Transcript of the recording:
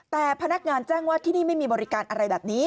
แต่พนักงานแจ้งว่าที่นี่ไม่มีบริการอะไรแบบนี้